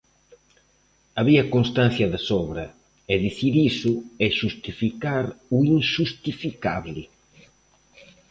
Había constancia de sobra, e dicir iso é xustificar o inxustificable.